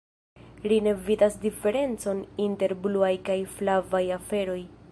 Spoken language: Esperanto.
Ri ne vidas diferencon inter bluaj kaj flavaj aferoj.